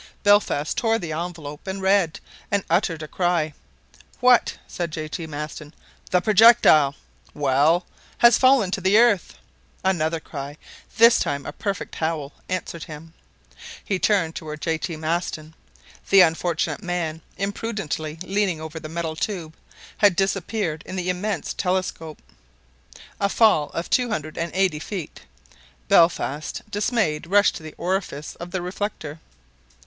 Belfast tore the envelope and read, and uttered a cry. "What!" said J. T. Maston. "The projectile!" "Well!" "Has fallen to the earth!" Another cry, this time a perfect howl, answered him. He turned toward J. T. Maston. The unfortunate man, imprudently leaning over the metal tube, had disappeared in the immense telescope. A fall of two hundred and eighty feet! Belfast, dismayed, rushed to the orifice of the reflector.